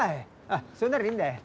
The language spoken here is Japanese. あっそれならいいんだ。